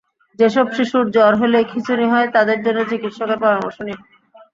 যেসব শিশুর জ্বর হলেই খিঁচুনি হয়, তাদের জন্য চিকিৎসকের পরামর্শ নিন।